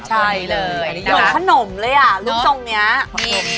ใช่เลยอันนี้เหมือนขนมเลยอ่ะลูกทรงนี้